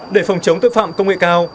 để phòng chống tội phạm công nghệ cao